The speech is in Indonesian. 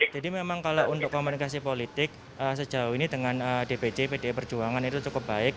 jadi memang kalau untuk komunikasi politik sejauh ini dengan dpc pdi perjuangan itu cukup baik